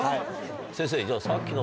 先生じゃあさっきの。